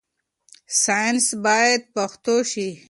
ساينس بايد پښتو شي.